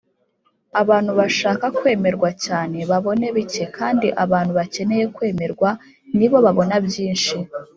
“abantu bashaka kwemerwa cyane babona bike kandi abantu bakeneye kwemererwa ni bo babona byinshi.”